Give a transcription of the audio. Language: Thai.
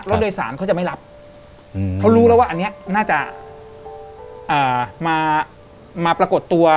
โดยสารเขาจะไม่รับเขารู้แล้วว่าอันนี้น่าจะมาปรากฏตัว